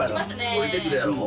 下りてくるやろ？